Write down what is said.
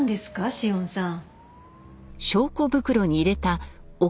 紫苑さん。